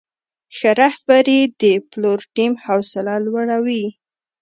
ښه رهبري د پلور ټیم حوصله لوړوي.